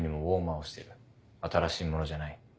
新しいものじゃない。